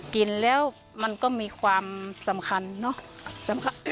กินแล้วมันก็มีความสำคัญเนอะ